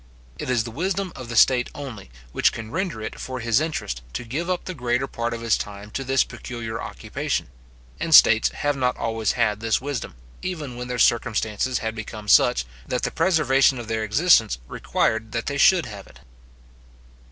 It is the wisdom of the state only, which can render it for his interest to give up the greater part of his time to this peculiar occupation; and states have not always had this wisdom, even when their circumstances had become such, that the preservation of their existence required that they should have it.